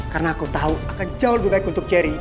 karena aku tau akan jauh lebih baik untuk cherry